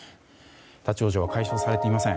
立ち往生は解消されていません。